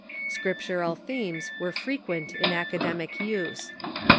Scriptural themes were frequent in academic use.